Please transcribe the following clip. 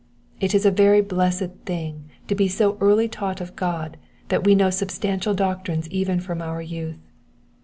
It is a very blessed thing to be so early taught of God that we know substantial doctrines even from our youth.